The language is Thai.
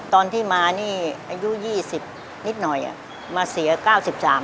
ตอนที่มานี่อายุ๒๐นิดหน่อยมาเสีย๙๓อ่ะ